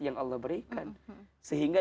yang allah berikan sehingga